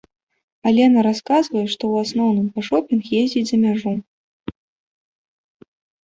Алена расказвае, што ў асноўным па шопінг ездзіць за мяжу.